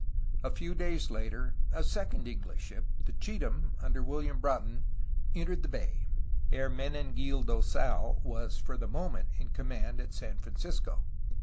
A few days later, a second Enghsh ship, the Chatham, under William Brought on, entered the bay. Hermenegildo Sal was for the moment in command at San Francisco.